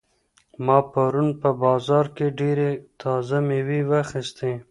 ما پرون په بازار کې ډېرې تازه مېوې واخیستې.